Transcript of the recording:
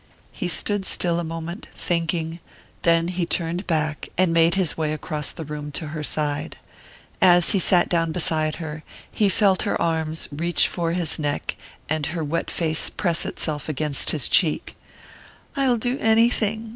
He stood still a moment, thinking; then he turned back, and made his way across the room to her side. As he sat down beside her, he felt her arms reach for his neck and her wet face press itself against his cheek. "I'll do anything..."